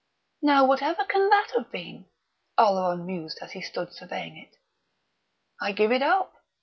"Now whatever can that have been?" Oleron mused as he stood surveying it.... "I give it up.